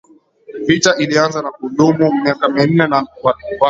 Vita ilianza na kudumu miaka minne na watu